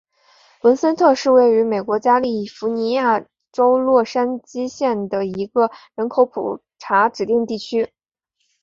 文森特是位于美国加利福尼亚州洛杉矶县的一个人口普查指定地区。